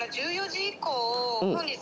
１４時以降で。